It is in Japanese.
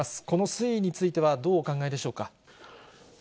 この推移については、どうお考えでしょうか？